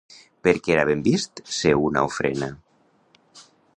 Per què era ben vist ser una ofrena?